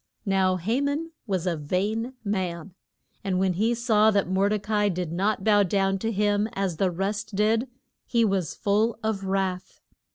Now Ha man was a vain man, and when he saw that Mor de ca i did not bow to him as the rest did he was full of wrath.